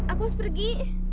aku harus pergi